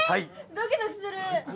ドキドキする！